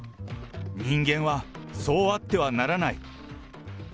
人間はそうあってはならない。